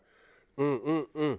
うんうんうん。